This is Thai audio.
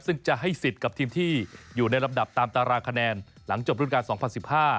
ซึ่งจะให้สิทธิ์กับทีมที่อยู่ในลำดับตามตาราคะแนนหลังจบรุ่นการ๒๐๑๕